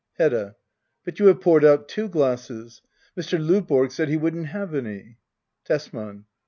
Hedda. But you have poured out two glasses. Mr. Lovborg said he wouldn't have any Tesman.